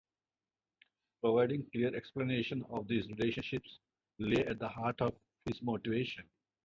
Providing clear explanation of these relationships lay at the heart of his motivation.